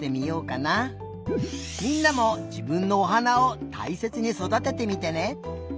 みんなもじぶんのおはなをたいせつにそだててみてね。